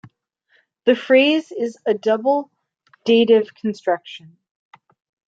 The phrase is a double dative construction.